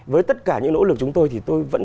với tất cả những nỗ lực chúng tôi thì tôi vẫn